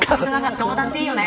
どうだっていいよね。